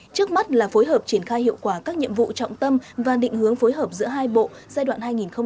trước mắt là phối hợp triển khai hiệu quả các nhiệm vụ trọng tâm và định hướng phối hợp giữa hai bộ giai đoạn hai nghìn hai mươi hai nghìn hai mươi năm